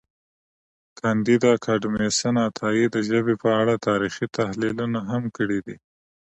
کانديد اکاډميسن عطایي د ژبې په اړه تاریخي تحلیلونه هم کړي دي.